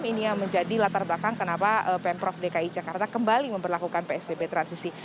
ini yang menjadi latar belakang kenapa pemprov dki jakarta kembali memperlakukan psbb transisi